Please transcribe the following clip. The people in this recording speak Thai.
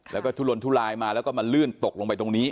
แล้วก็ทุลนทุลายมาแล้วก็มาลื่นตกลงไปตรงนี้